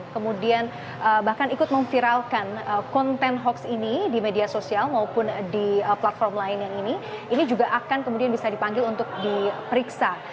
kemudian bahkan ikut memviralkan konten hoax ini di media sosial maupun di platform lain yang ini ini juga akan kemudian bisa dipanggil untuk diperiksa